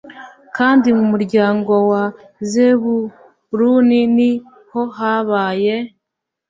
kandi mu muryango wa zebuluni ni ho bahaye